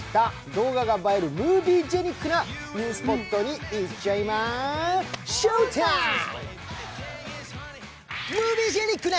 動画が映えるムービージェニックなニュースポットに行っちゃいまＳＨＯＷＴＩＭＥ！